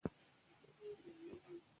سټيونز پرېکړه وکړه چې سفر تر ټولې نړۍ وغځوي.